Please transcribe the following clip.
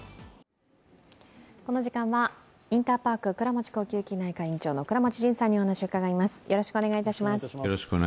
この時間は、インターパーク倉持呼吸器内科院長の倉持仁さんにお話を伺います。